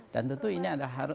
dan tentu ini akan menciptakan